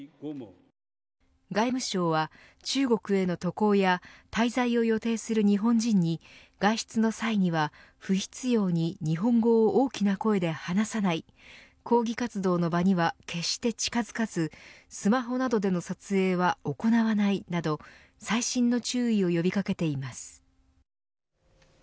外務省は、中国への渡航や滞在を予定する日本人に外出の際には不必要に日本語を大きな声で話さない抗議活動の場には決して近づかずスマホなどでの撮影は行わないなど細心の注意を呼び掛けています。